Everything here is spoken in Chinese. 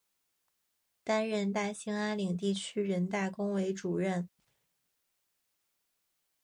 担任大兴安岭地区人大工委主任。